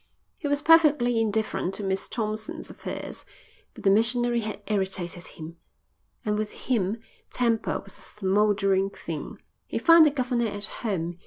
He was perfectly indifferent to Miss Thompson's affairs, but the missionary had irritated him, and with him temper was a smouldering thing. He found the governor at home.